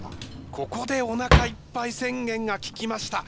ここでおなかいっぱい宣言が効きました。